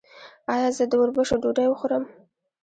ایا زه د وربشو ډوډۍ وخورم؟